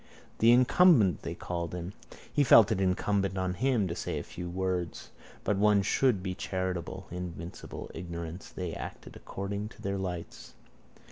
The incumbent they called him. He felt it incumbent on him to say a few words. But one should be charitable. Invincible ignorance. They acted according to their lights.